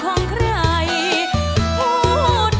มาฟังอินโทรเพลงที่๑๐